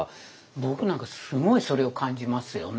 僕なんかすごいそれを感じますよね。